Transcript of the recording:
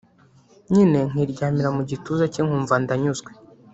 nyine nkiryamira mu gituza cye nkumva ndanyuzwe